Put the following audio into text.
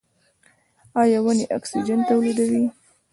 ایا ونې اکسیجن تولیدوي؟